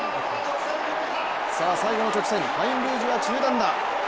さあ最後の直線、ファインルージュは中団だ。